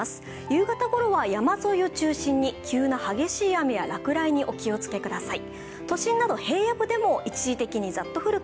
夕方ごろは山沿いを中心に急な激しい雨や落雷にお気をつけください。